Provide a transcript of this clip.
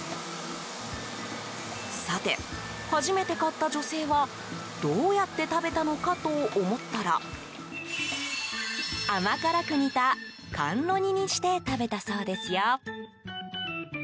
さて、初めて買った女性はどうやって食べたのかと思ったら甘辛く煮た甘露煮にして食べたそうですよ。